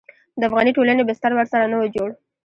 د افغاني ټولنې بستر ورسره نه و جوړ.